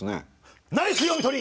ナイス読み取り！